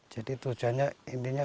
jadi tujuannya intinya